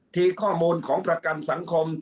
ข้อมูลของประกันสังคม